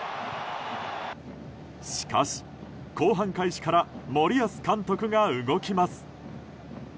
しかし、後半開始から森保監督が動きます。